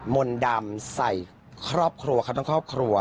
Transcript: มนต์ดำใส่ครอบครัวครับทั้งครอบครัว